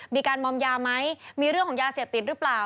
มีการมอมยาไหมมีเรื่องของยาเสพติดหรือเปล่า